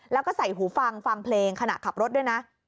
แล้วก็ใส่หูฟังฟังเพลงขณะขับรถด้วยนะ